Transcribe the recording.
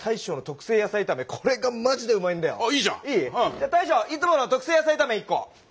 じゃ大将いつもの特製野菜炒め１個。